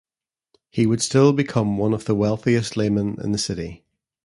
He would still become one of the wealthiest laymen in the city.